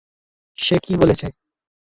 সে কী বলেছে?